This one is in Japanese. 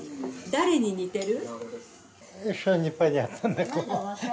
・誰に似てる？